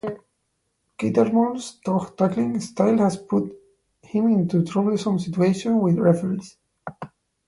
Cattermole's tough tackling style has put him into troublesome situations with referees.